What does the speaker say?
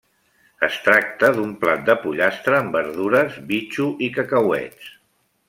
Es tracta d'un plat de pollastre amb verdures, bitxo i cacauets.